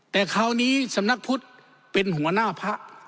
แต่คราวนี้สำนักพุทธเป็นหัวหน้าพระ